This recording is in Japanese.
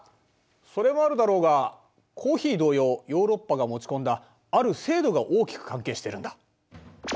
それもあるだろうがコーヒー同様ヨーロッパが持ち込んだある制度が大きく関係してるんだ。